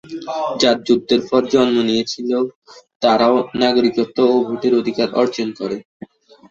যারা যুদ্ধের পর জন্ম নিয়েছিল তারাও নাগরিকত্ব ও ভোটের অধিকার অর্জন করে।